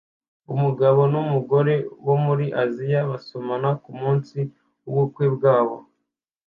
Umugabo n'umugore bo muri Aziya basomana kumunsi w'ubukwe bwabo